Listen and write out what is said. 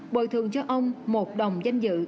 bồi thường cho ông một đồng danh dự